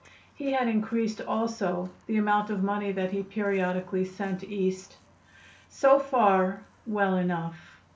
He had increased also the amount of money that he periodically sent East. So far, well enough.